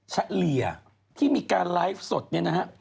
เฉลี่ยที่มีการไลฟ์สดเนี่ยนะฮะ